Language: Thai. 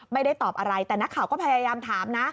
ไม่ได้ตอบอะไรแต่นักข่าวก็พยายามถามนะ